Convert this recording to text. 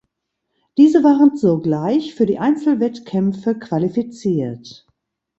Diese waren sogleich für die Einzelwettkämpfe qualifiziert.